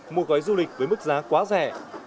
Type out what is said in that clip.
mua gói du lịch với mức giá quá rẻ